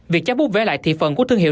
việc chắp bút về lại thị phần của thương hiệu